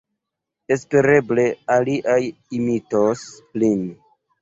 Espereble aliaj imitos lin!